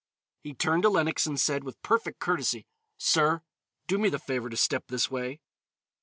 He turned to Lenox and said, with perfect courtesy, "Sir, do me the favor to step this way."